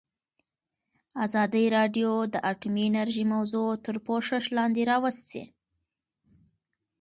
ازادي راډیو د اټومي انرژي موضوع تر پوښښ لاندې راوستې.